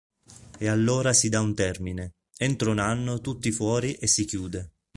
E allora si dà un termine: entro un anno tutti fuori e si chiude!